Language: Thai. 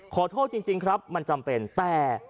ขอโทษจริงครับมันจำเป็นแต่